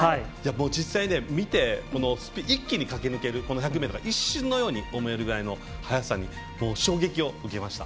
実際、見て一気に駆け抜ける一瞬のように思えるような速さに衝撃を受けました。